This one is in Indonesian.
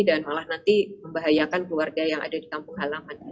dan malah nanti membahayakan keluarga yang ada di kampung halaman